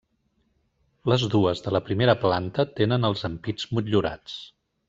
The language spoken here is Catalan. Les dues de la primera planta tenen els ampits motllurats.